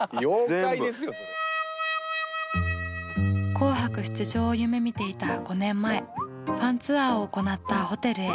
「紅白」出場を夢みていた５年前ファンツアーを行ったホテルへ。